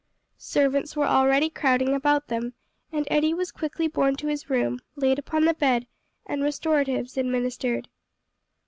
Servants were already crowding about them, and Eddie was quickly borne to his room, laid upon the bed, and restoratives administered.